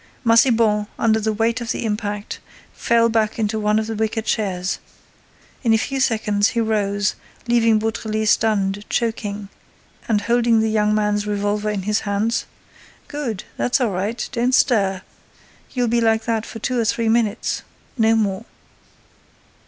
Massiban, under the weight of the impact, fell back into one of the wicker chairs. In a few seconds, he rose, leaving Beautrelet stunned, choking; and, holding the young man's revolver in his hands: "Good!—that's all right!—don't stir—you'll be like that for two or three minutes—no more.